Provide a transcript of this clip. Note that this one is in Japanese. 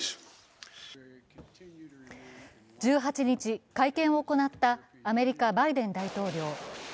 １８日、会見を行ったアメリカ・バイデン大統領。